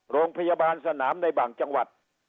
โรงพยาบาลสนามในบางจังหวัด